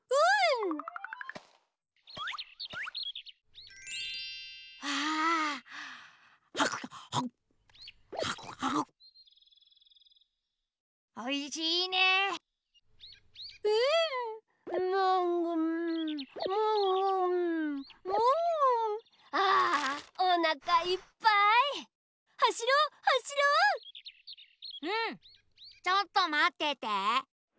うんちょっとまってて。